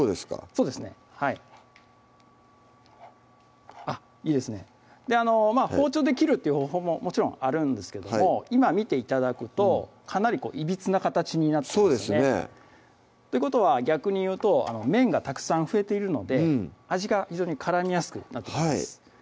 そうですねはいあっいいですね包丁で切るっていう方法ももちろんあるんですけども今見て頂くとかなりいびつな形になってますよねということは逆に言うと面がたくさん増えているので味が非常に絡みやすくなっています